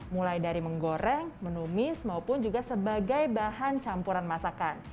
mulai dari menggoreng menumis maupun juga sebagai bahan campuran masakan